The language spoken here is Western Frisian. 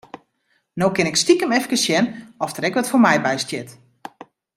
No kin ik stikem efkes sjen oft der ek wat foar my by stiet.